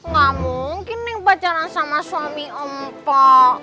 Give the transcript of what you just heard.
gak mungkin neng pacaran sama suami mpo